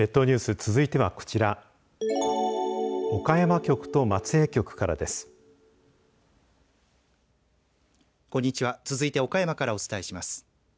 続いて岡山からお伝えします。